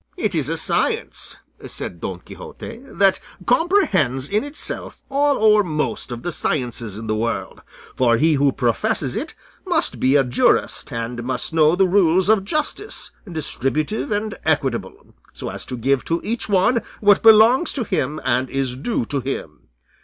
"It is a science," said Don Quixote, "that comprehends in itself all or most of the sciences in the world, for he who professes it must be a jurist, and must know the rules of justice, distributive and equitable, so as to give to each one what belongs to him and is due to him.